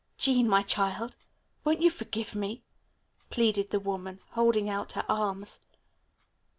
"Jean, my child, won't you forgive me?" pleaded the woman holding out her arms.